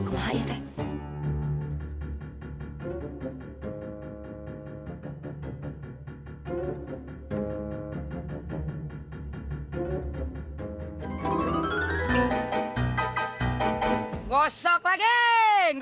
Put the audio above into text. kemah aja teh